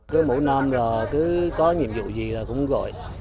cứ mỗi năm rồi cứ có nhiệm vụ gì là cũng gọi